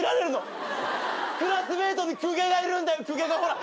クラスメートに公家がいるんだよ公家がほら。